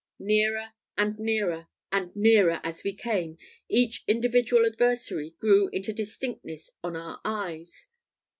Nearer, and nearer, and nearer, as we came, each individual adversary grew into distinctness on our eyes.